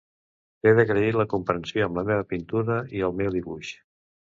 T'he d'agrair la comprensió amb la meva pintura i el meu dibuix.